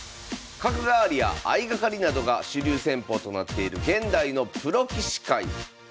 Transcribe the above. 角換わりや相掛かりなどが主流戦法となっている現代のプロ棋士界。